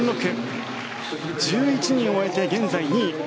１１人終えて現在２位。